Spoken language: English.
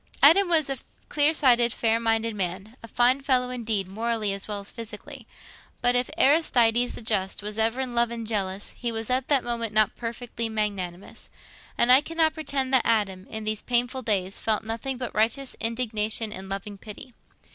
Adam was a clear sighted, fair minded man—a fine fellow, indeed, morally as well as physically. But if Aristides the Just was ever in love and jealous, he was at that moment not perfectly magnanimous. And I cannot pretend that Adam, in these painful days, felt nothing but righteous indignation and loving pity.